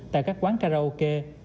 tại các quán karaoke